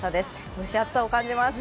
蒸し暑さを感じます。